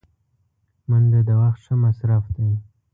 منډه د وخت ښه مصرف دی